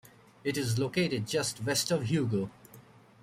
It is located just west of Hugo.